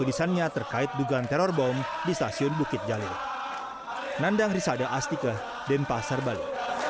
tulisannya terkait dugaan teror bom di stasiun bukit jalil nandang risada astike denpasar bali